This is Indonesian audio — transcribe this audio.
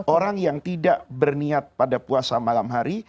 orang yang tidak berniat pada puasa malam hari